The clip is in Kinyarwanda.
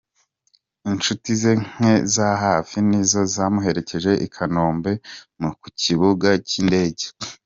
Inshuti ze nke za hafi, ni zo zamuherekeje i Kanombe ku kibuga cy’indege.